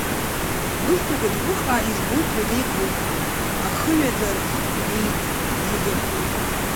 Бышьҭақәа ҭӷәыхаа, избоит ҩада игоуп, ахыҩаӡараҿ бҩеит, зегь акоуп.